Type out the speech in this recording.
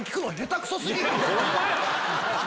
ホンマや！